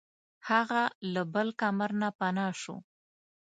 هغه له بل کمر نه پناه شوه.